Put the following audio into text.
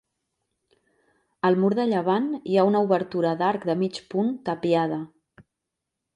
Al mur de llevant hi ha una obertura d'arc de mig punt tapiada.